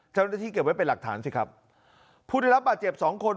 เจ้าหน้าที่เก็บไว้เป็นหลักฐานสิครับผู้ได้รับบาดเจ็บสองคน